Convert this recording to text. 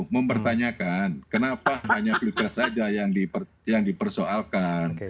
mempertanyakan kenapa hanya pilpres saja yang dipersoalkan